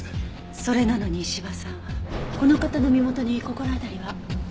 それなのに斯波さんは。この方の身元に心当たりは？